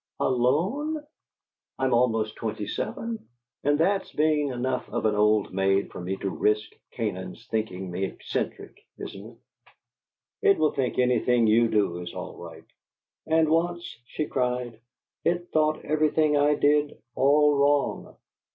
"Alone?" "I'm almost twenty seven, and that's being enough of an old maid for me to risk Canaan's thinking me eccentric, isn't it?" "It will think anything you do is all right." "And once," she cried, "it thought everything I did all wrong!"